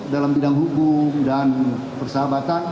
dalam bidang hubungan dan persahabatan